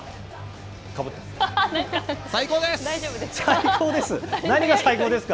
最高です！